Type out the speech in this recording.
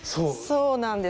そうなんです。